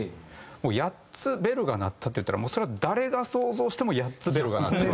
「８つベルが鳴った」っていったらもうそれは誰が想像しても８つベルが鳴ってる。